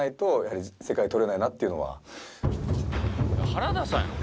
原田さんやろ。